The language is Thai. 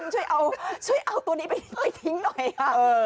ช่วยเอาตัวนี้ไปทิ้งหน่อยค่ะ